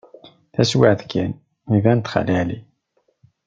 Taswiɛt kan, iban-d Xali Ɛli.